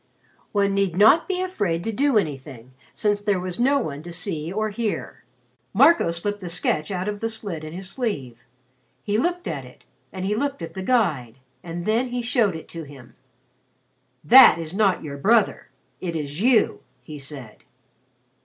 One need not be afraid to do anything, since there was no one to see or hear. Marco slipped the sketch out of the slit in his sleeve. He looked at it and he looked at the guide, and then he showed it to him. "That is not your brother. It is you!" he said.